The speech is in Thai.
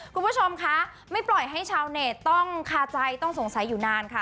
คุณผู้ชมคะไม่ปล่อยให้ชาวเน็ตต้องคาใจต้องสงสัยอยู่นานค่ะ